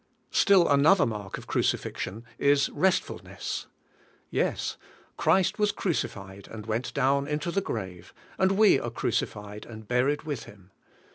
Still another mark of crucifixion is restfulness. Yes. Christ was crucified, and went down into the grave, and we are crucified and buried with Him.